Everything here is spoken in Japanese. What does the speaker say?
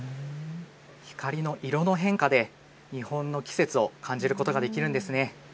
光の色の変化で日本の季節を感じることができるんですね。